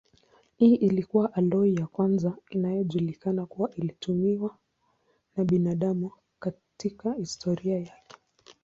Hii ilikuwa aloi ya kwanza inayojulikana kuwa ilitumiwa na binadamu katika historia yake.